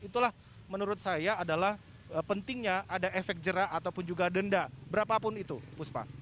itulah menurut saya adalah pentingnya ada efek jerah ataupun juga denda berapapun itu puspa